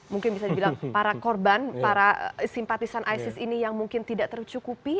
mungkin bisa dibilang para korban para simpatisan isis ini yang mungkin tidak tercukupi